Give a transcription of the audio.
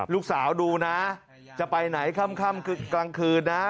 ลูกสาวดูนะจะไปไหนค่ำกลางคืนนะ